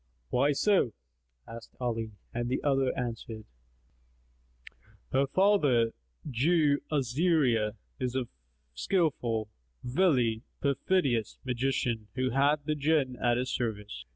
"Why so?" asked Ali and the other answered, "Her father, Jew Azariah, is a skilful, wily, perfidious magician who hath the Jinn at his service.